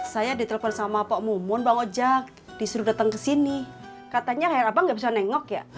saya ditelepon sama pak mumon bang ojak disuruh datang ke sini katanya kaya abang bisa nengok ya